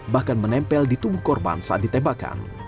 bahkan menempel di tubuh korban saat ditembakkan